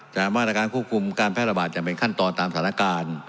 มาตรการควบคุมการแพร่ระบาดอย่างเป็นขั้นตอนตามสถานการณ์